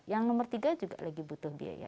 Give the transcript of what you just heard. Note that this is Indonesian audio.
yang nomor tiga juga lagi butuh biaya